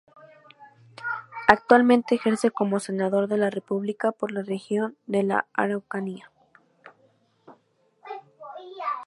Actualmente ejerce como senador de la República por la Región de la Araucanía.